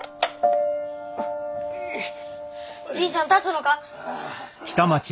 じいさん立つのか？